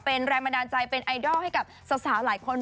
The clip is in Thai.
เป็นแรงบันดาลใจเป็นไอดอลให้กับสาวหลายคน